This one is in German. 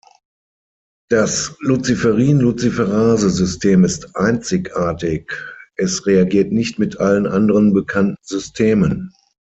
Das Luciferin-Luciferase-System ist einzigartig, es reagiert nicht mit allen anderen bekannten Systemen.